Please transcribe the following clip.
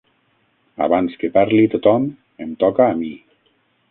Abans que parli tothom, em toca a mi.